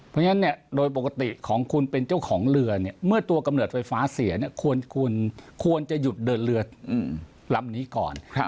เพราะฉะนั้นโดยปกติของคุณเป็นเจ้าของเรือเนี่ยเมื่อตัวกำเนิดไฟฟ้าเสียควรจะหยุดเดินเรือลำนี้ก่อน